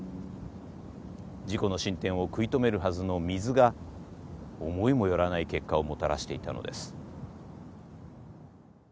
事故の進展を食い止めるはずの水が思いも寄らない結果をもたらしていたのです。